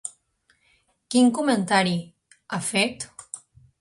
Quin comentari ha fet?